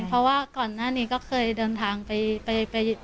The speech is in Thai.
เพราะว่าก่อนหน้านี้ก็เคยเดินทางไป